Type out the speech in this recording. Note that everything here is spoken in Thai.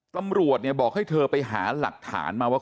ตำรวจบอกให้เธอไปหาหลักฐานมาว่า